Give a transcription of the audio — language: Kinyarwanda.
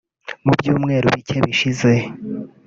Mu byumweru bike bishize